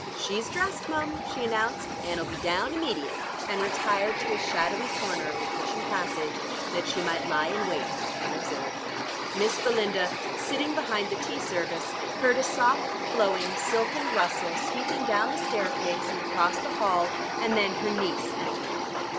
"She's dressed, mum," she announced, "an' 'll be down immediate," and retired to a shadowy corner of the kitchen passage, that she might lie in wait unobserved. Miss Belinda, sitting behind the tea service, heard a soft, flowing, silken rustle sweeping down the staircase, and across the hall, and then her niece entered.